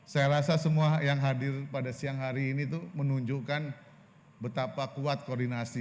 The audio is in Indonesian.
saya rasa semua yang hadir pada siang hari ini tuh menunjukkan betapa kuat koordinasi